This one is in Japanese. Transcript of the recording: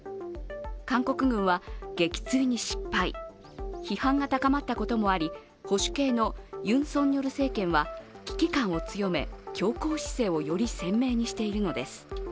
韓国軍は撃墜に失敗批判が高まったこともあり保守系のユン・ソンニョル政権は危機感を強め、強硬姿勢をより鮮明にしているのです。